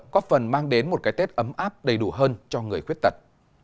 có phần mang đến một cái tết ấm áp đầy đủ hơn cho người khuyết tật